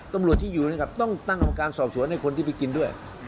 ตำรวจที่อยู่นะครับต้องตั้งกรรมการสอบสวนให้คนที่ไปกินด้วย